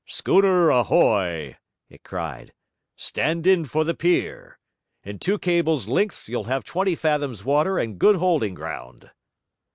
'Schooner ahoy!' it cried. 'Stand in for the pier! In two cables' lengths you'll have twenty fathoms water and good holding ground.'